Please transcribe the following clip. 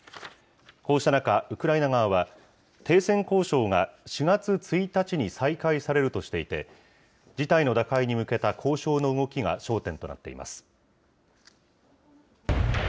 こうした中、ウクライナ側は、停戦交渉が４月１日に再開されるとしていて、事態の打開に向けた交渉の動きが焦点となっています。